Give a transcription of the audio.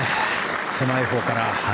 狭いほうから。